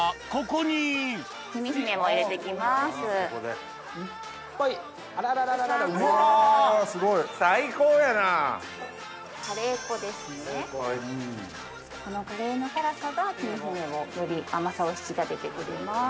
このカレーの辛さがきみひめをより甘さを引き立ててくれます。